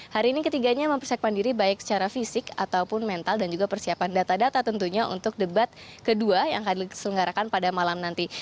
hari ini ketiganya mempersiapkan diri baik secara fisik ataupun mental dan juga persiapan data data tentunya untuk debat kedua yang akan diselenggarakan pada malam nanti